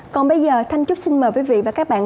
còn bây giờ thanh trúc xin mời quý vị và các bạn